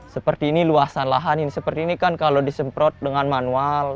seperti ini luasan lahan ini seperti ini kan kalau disemprot dengan manual